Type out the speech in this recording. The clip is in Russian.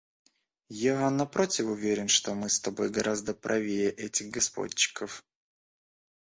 Я, напротив, уверен, что мы с тобой гораздо правее этих господчиков.